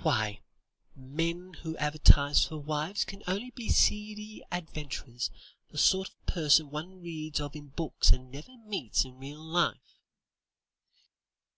Why, men who advertise for wives can only be seedy adventurers, the sort of person one reads of in books and never meets in real life."